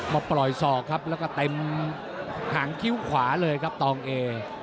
มาปล่อยศอกครับแล้วก็เต็มหางคิ้วขวาเลยครับตองเอ